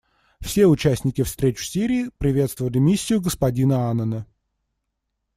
Все участники встреч в Сирии приветствовали миссию господина Аннана.